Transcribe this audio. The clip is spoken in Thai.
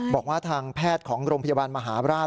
บอกว่าทางแพทย์ของโรงพยาบาลมหาราช